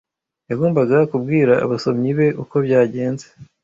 Yagombaga kubwira abasomyi be uko byagenze.